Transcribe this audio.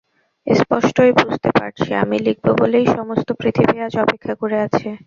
স্পষ্টই বুঝতে পারছি, আমি লিখব বলেই সমস্ত পৃথিবী আজ অপেক্ষা করে আছে।